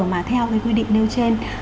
mà theo quy định nêu trên